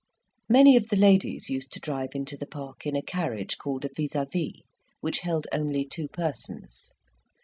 Many of the ladies used to drive into the park in a carriage called a vis a vis, which held only two persons.